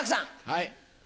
はい。